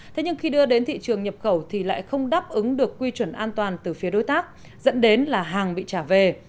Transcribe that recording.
thế nhưng khi đưa đến thị trường nhập khẩu thì lại không đáp ứng được quy chuẩn an toàn từ phía đối tác dẫn đến là hàng bị trả về